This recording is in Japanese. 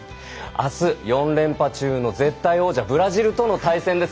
あす、４連覇中の絶対王者ブラジルとの対戦です。